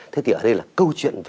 thế thì ở đây là câu chuyện